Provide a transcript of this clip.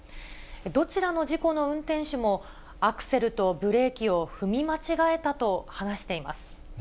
どちらの事故の運転手も、アクセルとブレーキを踏み間違えたと話しています。